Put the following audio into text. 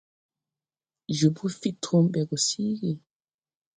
Jobo fid trum ɓɛ gɔ síigì.